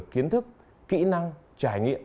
kiến thức kỹ năng trải nghiệm